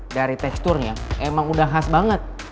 dari teksturnya emang udah khas banget